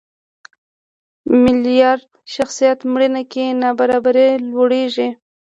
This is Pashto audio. میلیاردر شخص مړینه کې نابرابري لوړېږي.